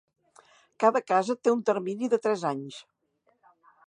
Cada casa té un termini de tres anys.